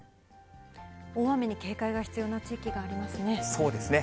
大雨に警戒が必要な地域があそうですね。